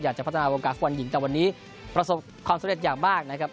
อยากจะพัฒนาวงการฟุตบอลหญิงแต่วันนี้ประสบความสำเร็จอย่างมากนะครับ